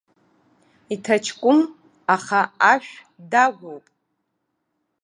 Иҭаҷкәым, аха ашә дагәоуп!